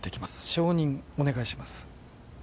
承認お願いします